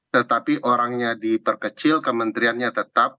tetapi orangnya diperkecil kementeriannya tetap tiga puluh empat